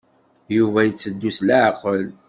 Yuba itteddu s leɛqel.